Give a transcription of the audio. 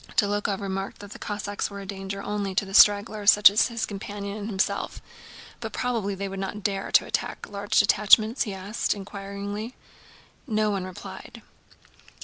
Dólokhov remarked that the Cossacks were a danger only to stragglers such as his companion and himself, "but probably they would not dare to attack large detachments?" he added inquiringly. No one replied.